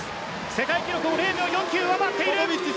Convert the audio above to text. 世界記録を０秒４９上回っている。